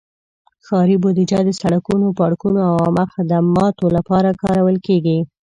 ښاري بودیجه د سړکونو، پارکونو، او عامه خدماتو لپاره کارول کېږي.